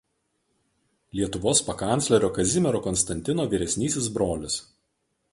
Lietuvos pakanclerio Kazimiero Konstantino vyresnysis brolis.